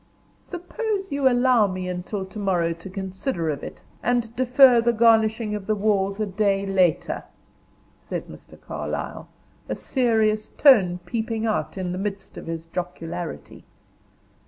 '" "Suppose you allow me until to morrow to consider of it, and defer the garnishing of the walls a day later," said Mr. Carlyle, a serious tone peeping out in the midst of his jocularity.